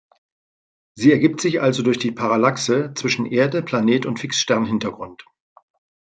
Sie ergibt sich also durch die Parallaxe zwischen Erde, Planet und Fixstern-Hintergrund.